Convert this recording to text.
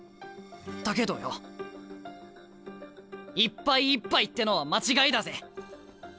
だけどよいっぱいいっぱいってのは間違いだぜ。